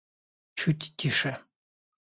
Чуть тише